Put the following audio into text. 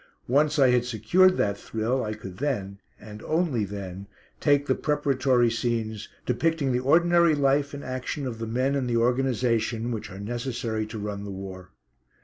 Once I had secured that thrill I could then and only then take the preparatory scenes, depicting the ordinary life and action of the men and the organisation which are necessary to run the war.